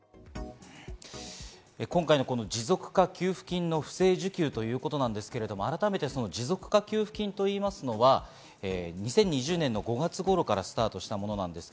今回の持続化給付金の不正受給ということですけれど、改めて持続化給付金といいますのは、２０２０年の５月頃からスタートしたものです。